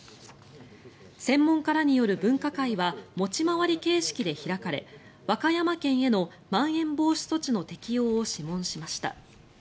専門家らによる分科会は持ち回り形式で開かれ和歌山県へのまん延防止措置の適用を諮問しました。